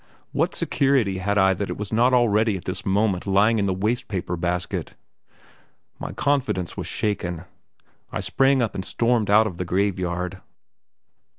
What security had I that it was not already at this moment lying in the waste paper basket?... My confidence was shaken. I sprang up and stormed out of the graveyard.